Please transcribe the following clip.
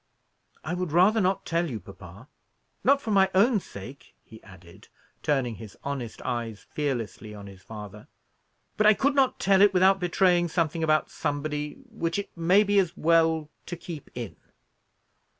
"I would rather not tell you, papa. Not for my own sake," he added, turning his honest eyes fearlessly on his father; "but I could not tell it without betraying something about somebody, which it may be as well to keep in."